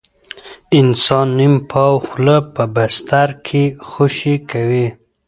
انسان نیم پاوه خوله په بستر کې خوشې کوي.